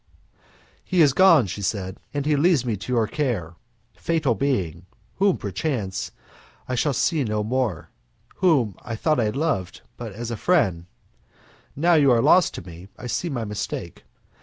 "He is gone," she said, "and he leaves me to your care. Fatal being, whom perchance I shall see no more, whom I thought I loved but as a friend, now you are lost to me I see my mistake.